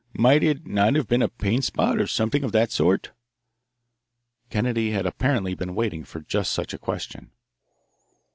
Might it not have been a paint spot or something of that sort?" Kennedy had apparently been waiting for just such a question.